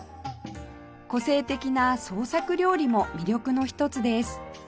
個性的な創作料理も魅力の一つです